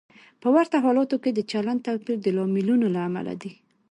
په ورته حالتونو کې د چلند توپیر د لاملونو له امله دی.